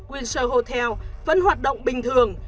windsor hotel vẫn hoạt động bình thường